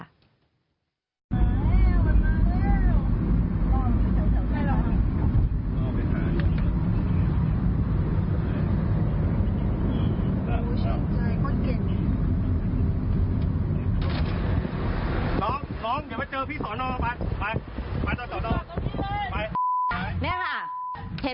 น้องน้องเดี๋ยวมาเจอพี่สวนออกมาไปไปสวนออก